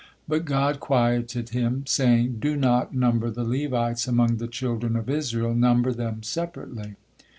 But God quieted him, saying: "Do not number the Levites among the children of Israel, number them separately."